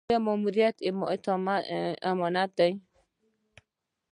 آیا ماموریت امانت دی؟